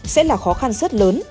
sẽ là khó khăn rất lớn